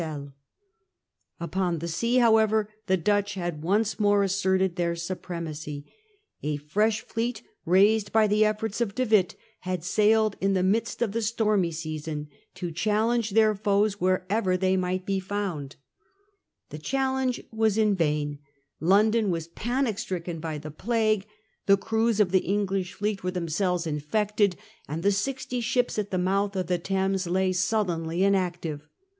133 i66s Alliance of the Republic Upon the sea however the Dutch had once more asserted their supremacy. A fresh fleet, raised by the The Dutch e ^ orts Witt, had sailed, in the midst aj*am of the stormy season, to challenge their foes these" ° f wherever they might be found. The challenge November was in vain. London was panic stricken by 1 5 the Plague, the crews of the English fleet were themselves infected, and the sixty ships at the mouth of the Thames lay sullenly inactive.